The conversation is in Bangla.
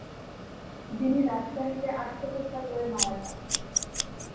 যিনি রাজশাহীতে আত্মহত্যা করে মারা যান।